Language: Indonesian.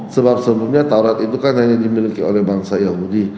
sebab sebelumnya taurat itu kan hanya dimiliki oleh bangsa yahudi